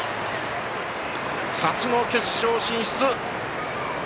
初の決勝進出。